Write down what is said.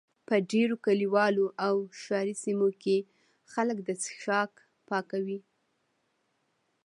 په ډېرو کلیوالو او ښاري سیمو کې خلک د څښاک پاکو.